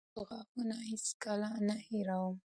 زه خپل غاښونه هېڅکله نه هېروم.